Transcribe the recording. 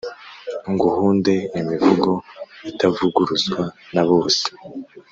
Nguhunde imivugo itavuguruzwa na bose?